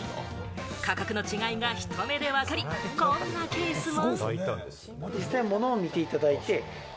価格の違いが一目でわかり、こんなケースも。